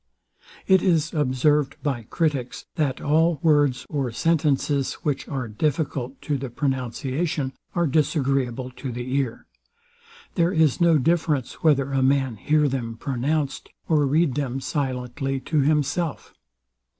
It is observed by critics, that all words or sentences, which are difficult to the pronunciation, are disagreeable to the ear. There is no difference, whether a man hear them pronounced, or read them silently to himself.